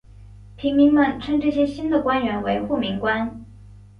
平民们称这些新的官员为护民官。